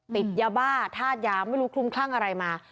ติดยาบ้าธาตุยาไม่รู้คลุมคลั่งอะไรมา